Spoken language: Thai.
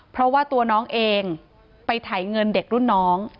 เพราะว่าตัวน้องเองไปถ่ายเงินเด็กรุ่นน้อง